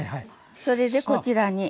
それでこちらに。